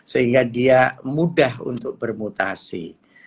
sehingga dia mudah untuk bermutasi